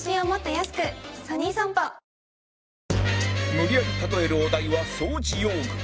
ムリヤリ例えるお題は掃除用具